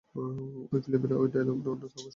এই ফিল্মের ডায়লগ অন্য কাউকে শোনা।